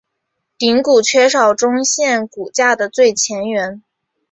顶骨缺少中线骨架的最前缘。